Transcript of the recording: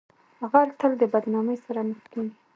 غل تل د بدنامۍ سره مخ کیږي